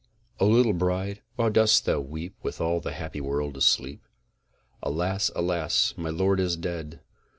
O LITTLE BRIDE, WHY DOST THOU WEEP WITH ALL THE HAPPY WORLD ASLEEP? Alas! alas! my lord is dead!